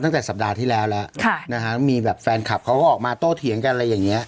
ตั้งแต่สัปดาห์ที่แล้วแล้วนะฮะมีแบบแฟนคลับเขาก็ออกมาโต้เถียงกันอะไรอย่างนี้